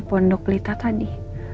ini pondok lita tadi